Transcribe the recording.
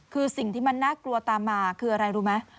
คือสิ่งที่มันน่ากลัวตามมาคืออะไรรู้ไหม